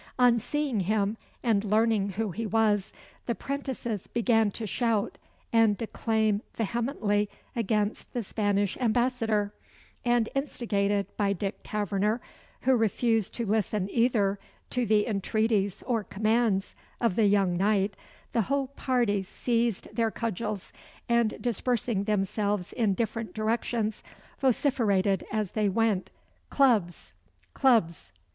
On seeing him, and learning who he was, the 'prentices began to shout and declaim vehemently against the Spanish ambassador; and instigated by Dick Taverner, who refused to listen either to the entreaties or commands of the young knight, the whole party seized their cudgels, and dispersing themselves in different directions, vociferated as they went "Clubs! clubs!"